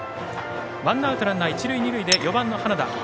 ワンアウトランナー、一塁二塁で４番の花田。